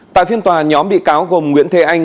tại phiên tòa nhóm bị cáo gồm nguyễn thế anh